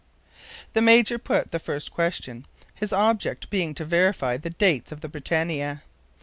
The Major put the first question, his object being to verify the dates of the BRITANNIA.